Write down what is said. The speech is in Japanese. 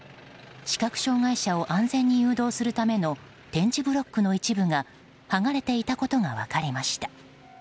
視覚障害者を安全に誘導するための点字ブロックの一部が剥がれていたことが分かりました。